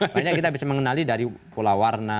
banyak kita bisa mengenali dari pola warna